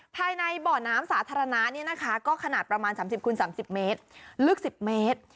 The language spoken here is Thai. ภายในบ่อน้ำสาธารณะก็ขนาดประมาณ๓๐คูณ๓๐เมตรลึก๑๐เมตร